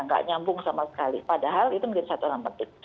nggak nyambung sama sekali padahal itu menjadi satu orang penting